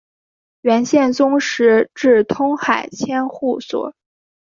元宪宗时置通海千户所。